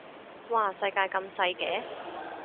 嘩世界咁細嘅